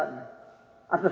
atau saya orang tua